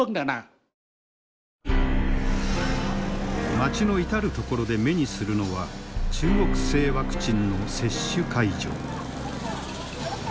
街の至る所で目にするのは中国製ワクチンの接種会場。